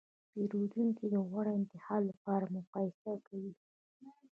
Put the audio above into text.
پیرودونکي د غوره انتخاب لپاره مقایسه کوي.